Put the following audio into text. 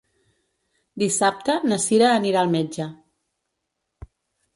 Dissabte na Sira anirà al metge.